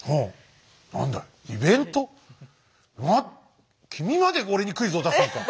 あっ君まで俺にクイズを出すのか！